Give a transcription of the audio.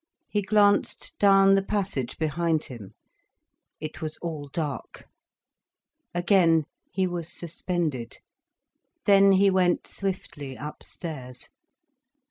He glanced down the passage behind him. It was all dark. Again he was suspended. Then he went swiftly upstairs.